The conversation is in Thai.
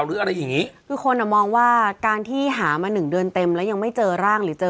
หรืออะไรอย่างงี้คือคนอ่ะมองว่าการที่หามาหนึ่งเดือนเต็มแล้วยังไม่เจอร่างหรือเจอ